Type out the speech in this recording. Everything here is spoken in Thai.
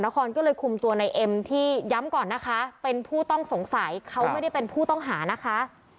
ครก็เลยคุมตัวในเอ็มที่ย้ำก่อนนะคะเป็นผู้ต้องสงสัยเขาไม่ได้เป็นผู้ต้องหานะคะ